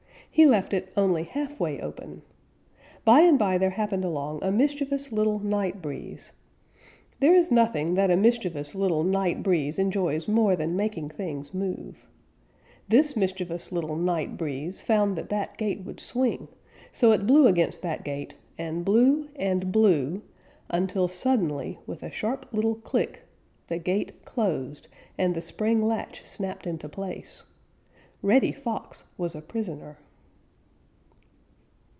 He left it only halfway open. By and by there happened along a mischievous little Night Breeze. There is nothing that a mischievous little Night Breeze enjoys more than making things move. This mischievous little Night Breeze found that that gate would swing, so it blew against that gate and blew and blew until suddenly, with a sharp little click, the gate closed and the spring latch snapped into place. Reddy Fox was a prisoner!